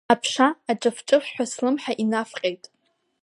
Аԥша аҿывҿывҳәа слымҳа илавҟьеит.